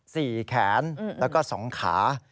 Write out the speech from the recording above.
แขนแล้วก็สองขา